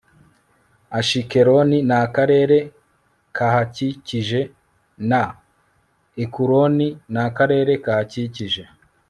ashikeloni+ n'akarere kahakikije, na ekuroni+ n'akarere kahakikije